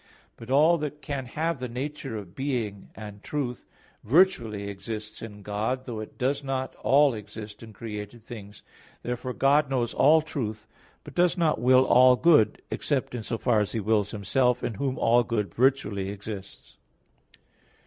But all that can have the nature of being and truth virtually exists in God, though it does not all exist in created things. Therefore God knows all truth; but does not will all good, except in so far as He wills Himself, in Whom all good virtually exists.